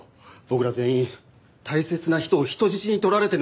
僕ら全員大切な人を人質に取られてるんですよ。